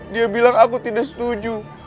dia bilang aku tidak setuju